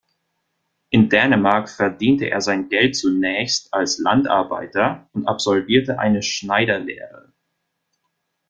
In Dänemark verdiente er sein Geld zunächst als Landarbeiter und absolvierte eine Schneiderlehre.